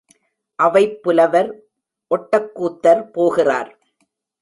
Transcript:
அவைப் புலவர் ஒட்டக்கூத்தர் போகிறார்.